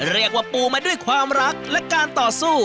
เรียกว่าปูมาด้วยความรักและการต่อสู้